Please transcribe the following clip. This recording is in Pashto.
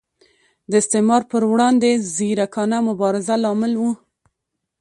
د استعمار پر وړاندې ځیرکانه مبارزه لامل و.